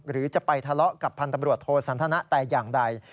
หรือจะไปทะเลาะกับพันธบรวจโทสันทนะแต่อย่างใด